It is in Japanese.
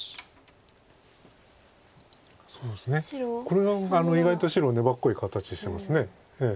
これが意外と白粘っこい形してます。